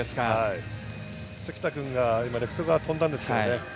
関田君が今レフト側に跳んだんですけどね。